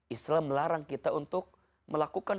islam melarang kita untuk melakukan